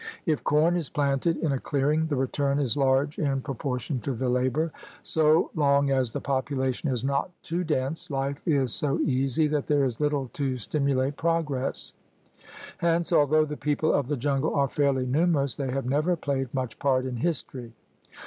If corn is planted in a clearing, the return is large in propor tion to the labor. So long as the population is not 'See pp. 169 171. 106 THE RED MAN'S CONTINENT too dense, life is so easy that there is Httle to stimu late progress. Hence, although the people of the jungle are fairly numerous, they have never played much part in history.